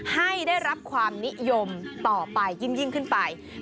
ให้ได้รับความนิยมต่อไปยิ่งขึ้นไป